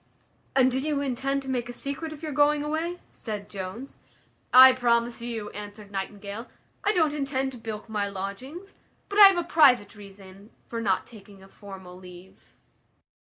"And do you intend to make a secret of your going away?" said Jones. "I promise you," answered Nightingale, "I don't intend to bilk my lodgings; but I have a private reason for not taking a formal leave."